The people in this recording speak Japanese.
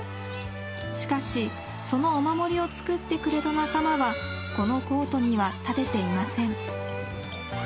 しかし、そのお守りを作ってくれた仲間はこのコートには立てていません。